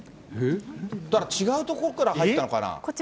だから違うとこから入ったのかな？